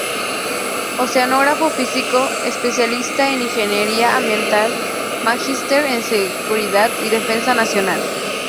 Oceanógrafo Físico, Especialista en Ingeniería Ambiental, Magíster en Seguridad y Defensa Nacional.